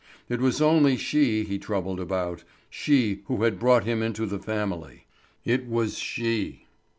It was only she he troubled about, she who had brought him into the family. It was she! It was she!